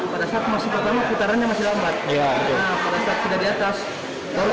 pada saat masih pertama putarannya masih lambat